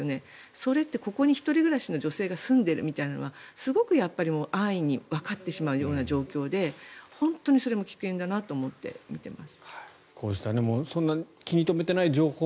それって、ここに一人暮らしの女性が住んでるみたいなのは安易にわかってしまうような状況で本当にそれも危険だなと思って見ています。